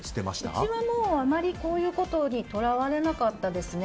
うちはもうあまりこういうことにとらわれなかったです。